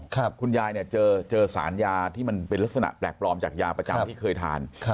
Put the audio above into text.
คุณยายเนี่ยเจอเจอสารยาที่มันเป็นลักษณะแปลกปลอมจากยาประจำที่เคยทานครับ